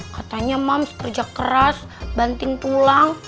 katanya mams kerja keras banting tulang